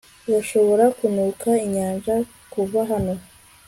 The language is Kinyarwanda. urashobora kunuka inyanja kuva hano